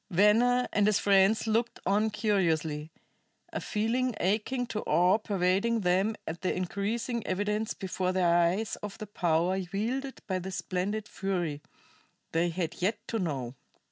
Venner and his friends looked on curiously, a feeling akin to awe pervading them at the increasing evidence before their eyes of the power wielded by this splendid fury, they had yet to know.